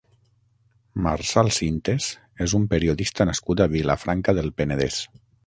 Marçal Sintes és un periodista nascut a Vilafranca del Penedès.